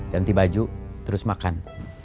ganti baju terus makan